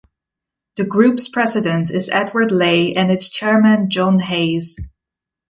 The Group's president is Edward Leigh and its chairman John Hayes.